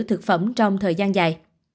thực phẩm trong thời gian dài